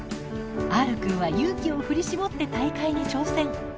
Ｒくんは勇気を振り絞って大会に挑戦。